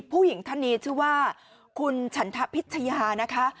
ผู้หญิงท่านนี้ชื่อว่าคุณฉันทะพิชยานะคะ